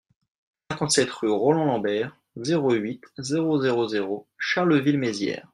cinquante-sept rue Roland Lambert, zéro huit, zéro zéro zéro Charleville-Mézières